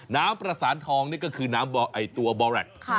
น้ำประสานทองนี่ก็คือน้ำตัวบอแรค